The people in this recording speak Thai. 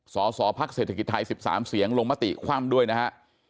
สสพักเศรษฐกิจไทย๑๓เสียงลงมติคว่ำด้วยนะฮะ